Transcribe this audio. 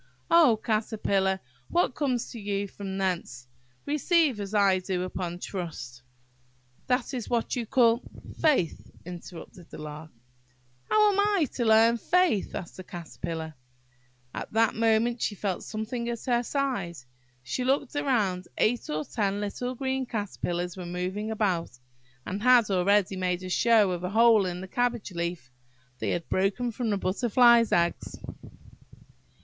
Oh, Caterpillar! what comes to you from thence, receive, as I do, upon trust." "That is what you call–" "Faith," interrupted the Lark. At that moment she felt something at her side. She looked round–eight or ten little green caterpillars were moving about, and had already made a show of a hole in the cabbage leaf. They had broken from the Butterfly's eggs!